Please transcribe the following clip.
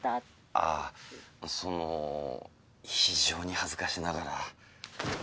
あぁその非常に恥ずかしながら。